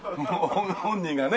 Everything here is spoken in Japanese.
本人がね。